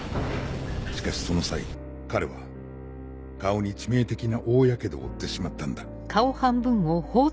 しかしその際彼は顔に致命的な大やけどを負ってしまったんだ。